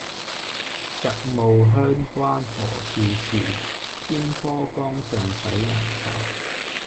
日暮鄉關何處是，煙波江上使人愁。